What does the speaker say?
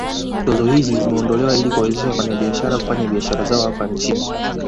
Tozo hizi zimeondolewa ili kuwawezesha wafanyabiashara kufanya biashara zao hapa nchini